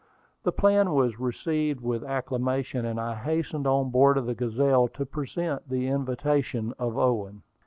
The plan was received with acclamation, and I hastened on board of the Gazelle to present the invitation of Owen.